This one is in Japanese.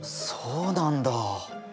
そうなんだ。